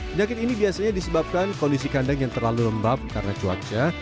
penyakit ini biasanya disebabkan kondisi kandang yang terlalu lembab karena cuaca